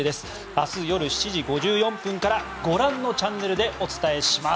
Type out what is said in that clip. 明日夜８時５４分からご覧のチャンネルでお伝えします。